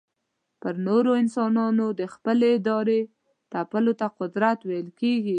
پر نورو انسانانو د خپلي ارادې تپلو ته قدرت ويل کېږي.